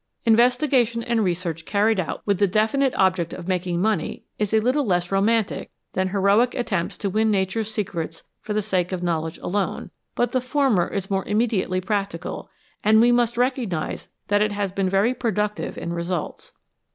Investigation and research carried out with the definite object of making money is a little less romantic than heroic attempts to win Nature's secrets for the sake of knowledge alone, but the former is 249 HOW MAN COMPETES WITH NATURE more immediately practical, and we must recognise that it has been very productive in results.